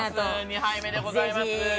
２杯目でございます。